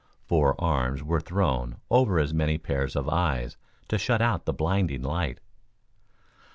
Four arms were thrown over as many pairs of eyes to shut out the blinding light.